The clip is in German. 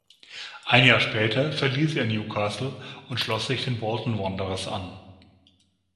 Ein Jahr später verließ er Newcastle und schloss sich den Bolton Wanderers an.